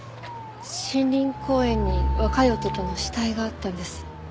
森林公園に若い男の死体があったんです。